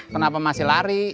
kenapa masih lari